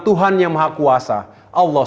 tuhan yang maha kuasa allah